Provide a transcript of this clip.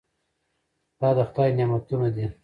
دا د خدای نعمتونه دي.